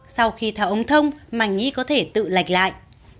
sau khi tháo ống thông màng nhí có thể tự lạch lại